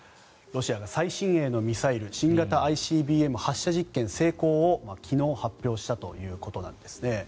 ロシアが最新鋭のミサイル新型ＩＣＢＭの発射実験成功を昨日発表したということです。